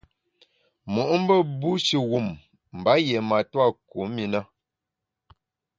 Mo’mbe bushi wum mba yié matua kum i na.